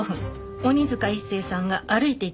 鬼塚一誠さんが歩いていきます。